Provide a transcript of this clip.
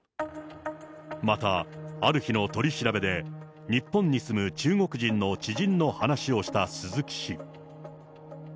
また、ある日の取り調べで、日本に住む中国人の知人の話をした鈴木氏。